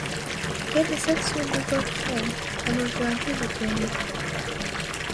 بێنە سەد سوێندت بۆ بخۆم ئەمڕۆ جوانترە لە دوێنێ